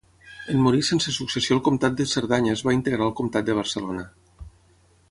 En morir sense successió el comtat de Cerdanya es va integrar al comtat de Barcelona.